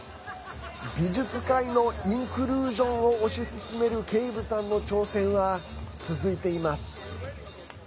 美術館のインクルージョンを推し進めるケイブさんの挑戦は続いています。